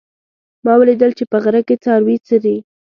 ما ولیدل چې په غره کې څاروي څري